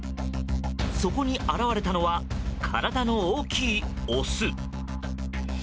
そこに現れたのは体の大きいオス。